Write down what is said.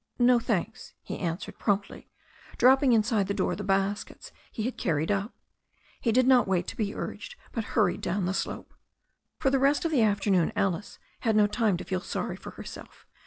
"No, thanks," he answered promptly, dropping inside the door the baskets he had carried up. He did not wait to be urged, but hurried down the slope. For the rest of the afternoon Alice had no time to feel sorry for herself.